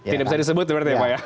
tidak bisa disebut berarti ya pak ya